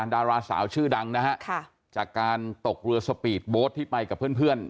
ดาราสาวชื่อดังนะฮะจากการตกเรือสปีดโบ๊ทที่ไปกับเพื่อน